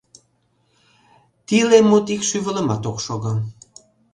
Тиле мут ик шӱвылымат ок шого.